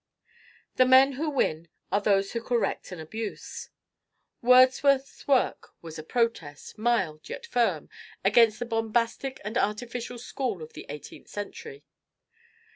The men who win are those who correct an abuse. Wordsworth's work was a protest mild yet firm against the bombastic and artificial school of the Eighteenth Century.